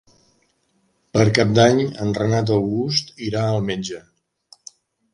Per Cap d'Any en Renat August irà al metge.